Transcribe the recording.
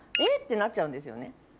てなっちゃうんですよね。